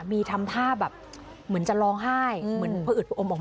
มีทำท่าแบบเหมือนจะร้องไห้เหมือนพออึดประอมออกมา